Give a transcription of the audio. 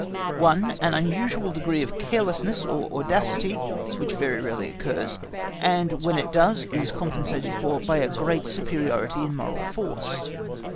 1. An unusual degree of carelessness or audacity which very rarely occurs, and when it does is compensated for by a great superiority in moral force.